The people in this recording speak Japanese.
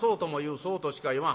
「そうとしか言わん」。